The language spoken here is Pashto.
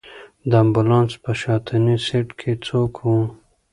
د امبولانس په شاتني سېټ کې څوک و؟